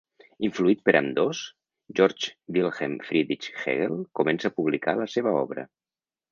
Influït per ambdós, Georg Wilhelm Friedrich Hegel comença a publicar la seva obra.